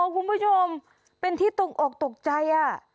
คุณผู้ชมเป็นที่ตกออกตกใจ